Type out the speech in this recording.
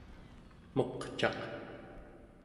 meqcaq